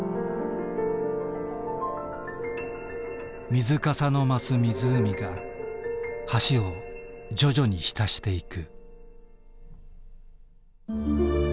水かさの増す湖が橋を徐々に浸していく。